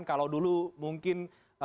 kalau dulu mungkin